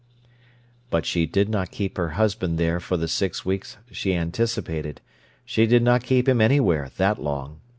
But she did not keep her husband there for the six weeks she anticipated. She did not keep him anywhere that long.